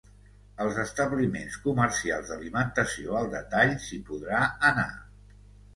Als establiments comercials d’alimentació al detall, s’hi podrà anar.